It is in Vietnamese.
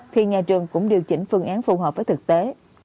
thì nhà trường cũng điều chỉnh phương án phù hợp với thực tế